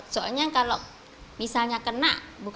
soalnya kalau misalnya kena